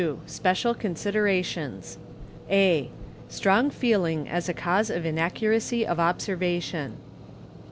2. SPECIAL CONSIDERATIONS, (a) Strong Feeling as a cause of inaccuracy of observation.